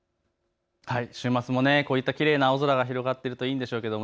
週末もきれいな青空が広がっているといいでしょうけど。